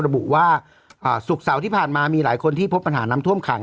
ระบุว่าศุกร์เสาร์ที่ผ่านมามีหลายคนที่พบปัญหาน้ำท่วมขัง